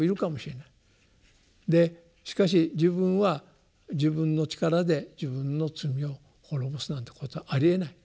しかし自分は自分の力で自分の罪を滅ぼすなんてことはありえない。